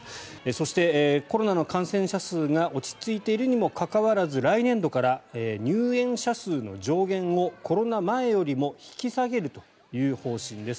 そして、コロナの感染者数が落ち着いているにもかかわらず来年度から入園者数の上限をコロナ前よりも引き下げるという方針です。